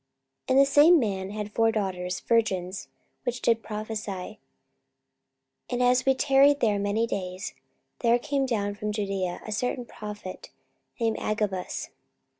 44:021:009 And the same man had four daughters, virgins, which did prophesy. 44:021:010 And as we tarried there many days, there came down from Judaea a certain prophet, named Agabus.